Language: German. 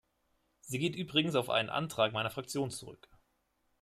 Sie geht übrigens auf einen Antrag meiner Fraktion zurück.